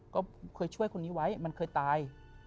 ก็เคยช่วยคนนี้ไว้มันเคยตาย